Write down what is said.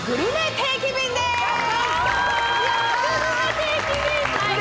定期便最高！